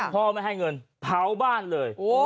พ่อไม่ให้เงินเผาบ้านเลย